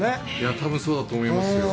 多分そうだと思いますよ。